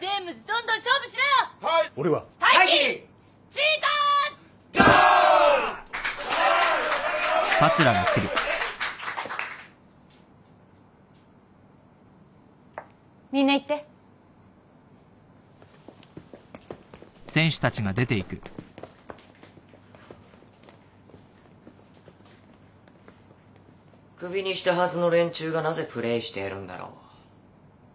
首にしたはずの連中がなぜプレーしているんだろう。